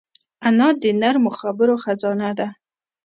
انا د نرمو خبرو خزانه ده